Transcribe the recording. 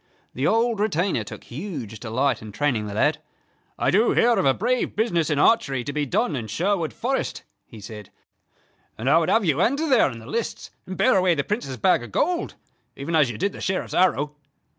The old retainer took huge delight in training the lad. "I do hear of a brave business in archery to be done in Sherwood Forest," he said, "and I would have you enter there in the lists, and bear away the Prince's bag of gold, even as you did the Sheriff's arrow."